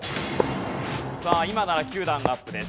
さあ今なら９段アップです。